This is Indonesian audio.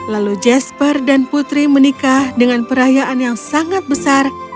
lalu jasper dan putri menikah dengan perayaan yang sangat besar